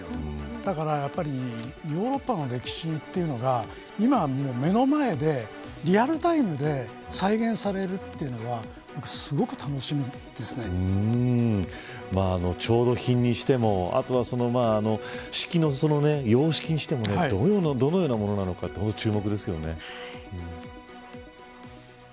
だからやっぱりヨーロッパの歴史というのが今、目の前で、リアルタイムで再現されるというのは調度品にしても式の様式にしてもどのようなものなのか注目ですよね。